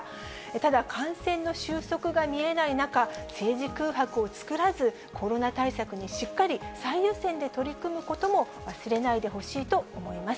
ただ、感染の収束が見えない中、政治空白を作らず、コロナ対策にしっかり最優先で取り組むことも忘れないでほしいと思います。